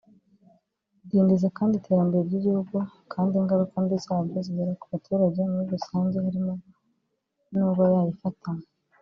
Idindiza kandi iterambere ry’igihugu kandi ingaruka mbi zabyo zigera ku baturage muri rusange harimo n’uba yayifatanywe